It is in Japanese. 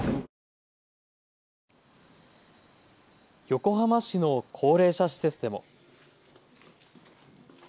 横浜市の高齢者施設でも。